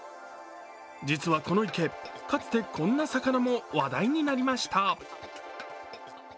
実はこの池、かつてこんな魚も話題になりました。